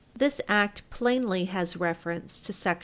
This act plainly has reference to sects.